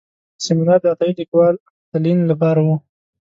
سیمینار د عطایي لیکوال تلین لپاره و.